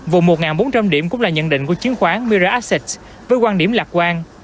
vùng một bốn trăm linh điểm cũng là nhận định của chiến khoán miraxits với quan điểm lạc quan